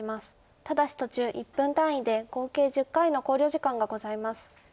ただし途中１分単位で合計１０回の考慮時間がございます。